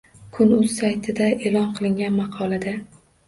Kun.uz sayti e’lon qilgan maqolada